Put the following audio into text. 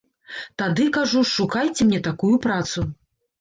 Тады, кажу, шукайце мне такую працу.